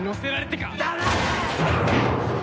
黙れ！